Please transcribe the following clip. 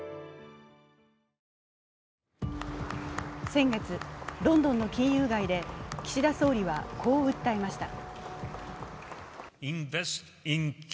先月、ロンドンの金融街で岸田総理はこう訴えました。